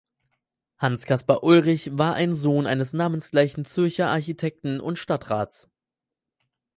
Hans Caspar Ulrich war ein Sohn eines namensgleichen Zürcher Architekten und Stadtrats.